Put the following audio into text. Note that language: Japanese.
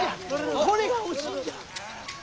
これが欲しいんじゃ！